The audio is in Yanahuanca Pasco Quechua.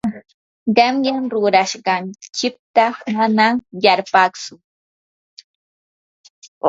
qanyan rurashqanchikta manam yarpatsu.